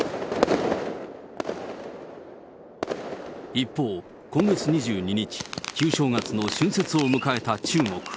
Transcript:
一方、今月２２日、旧正月の春節を迎えた中国。